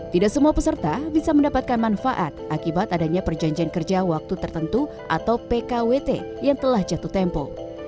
tidak semua peserta bisa mendapatkan manfaat akibat adanya perjanjian kerja waktu tertentu atau pkwt yang telah jatuh tempo